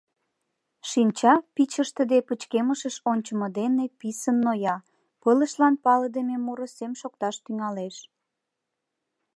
Шинча, пич ыштыде пычкемышыш ончымо дене, писын ноя, пылышлан палыдыме муро сем шокташ тӱҥалеш!.